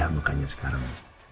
ya makanya sekarang